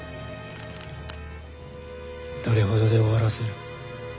どれほどで終わらせる？